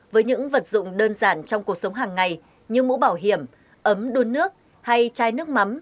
với những vật dụng đơn giản trong cuộc sống hàng ngày như mũ bảo hiểm ấm đun nước hay chai nước mắm